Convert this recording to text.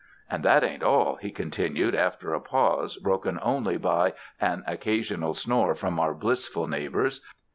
"And that ain't all," he continued, after a pause broken only by an occasional snore from our blissful neighbors.